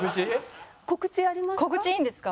告知ありますか？